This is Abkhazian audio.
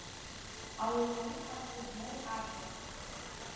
Ауаҩ иеиҳа хәы змоу арбан!